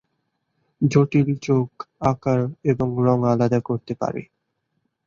জটিল চোখ আকার এবং রং আলাদা করতে পারে।